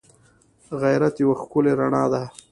غیرت یوه ښکلی رڼا ده